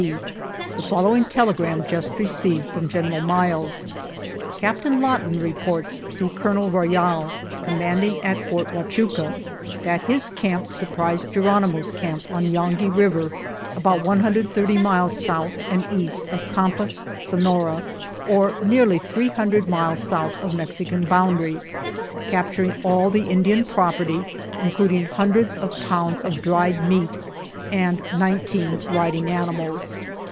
C: " The following telegram just received from General Miles: "' Captain Lawton reports, through Colonel Royall, commanding at Fort Huachuca, that his camp surprised Ge 150 SURRENDER OF GERONIMO ronimo's camp on Yongi River, about 130 miles south and east of Campas, Sonora, or nearly 300 miles south of Mexican boun dary, capturing all the Indian property, in cluding hundreds of pounds of dried meat and nineteen riding animals.